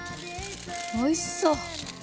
おいしそう！